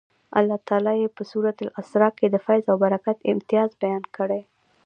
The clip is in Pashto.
الله تعالی یې په سورة الاسرا کې د فیض او برکت امتیاز بیان کړی.